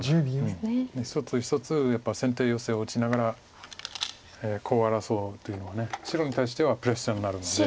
一つ一つやっぱり先手ヨセを打ちながらコウを争うというのは白に対してはプレッシャーになるので。